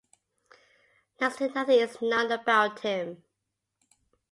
Next to nothing is known about him.